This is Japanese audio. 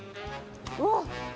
うわっ。